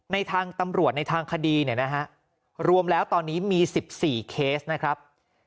ในทางตำรวจในทางคดีเนี่ยนะฮะรวมแล้วตอนนี้มี๑๔เคสนะครับ